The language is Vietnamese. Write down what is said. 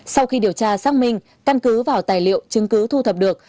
sau khi điều tra xác minh căn cứ vào tài liệu chứng cứ thu thập được